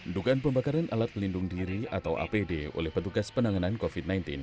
dugaan pembakaran alat pelindung diri atau apd oleh petugas penanganan covid sembilan belas